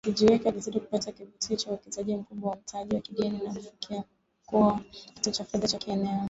Wakijiweka vizuri kupata kivutio cha uwekezaji mkubwa wa mtaji wa kigeni na kufikia kuwa kituo cha fedha cha kieneo.